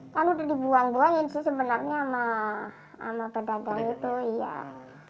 kalau dibuang buangin sih sebenarnya sama pedagang itu iya